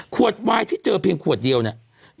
วายที่เจอเพียงขวดเดียวเนี่ย